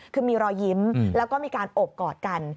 คือมีรอยยิ้มแล้วก็มีการโอบกอดกัน